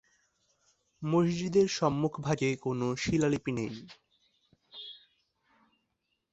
মসজিদের সম্মুখভাগে কোন শিলালিপি নেই।